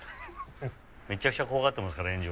・めちゃくちゃ怖がっていますから炎上。